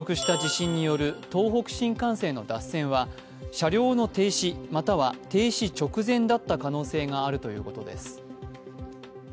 震度６強を観測した地震による東北新幹線の脱線は車両の停止、または停止直前だった可能性があるということです。